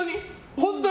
本当に？